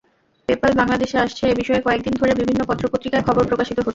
PayPal বাংলাদেশে আসছে—এ বিষয়ে কয়েক দিন ধরে বিভিন্ন পত্রপত্রিকায় খবর প্রকাশিত হচ্ছে।